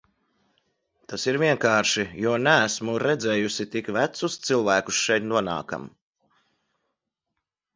Tas ir vienkārši, jo neesmu redzējusi tik vecus cilvēkus šeit nonākam.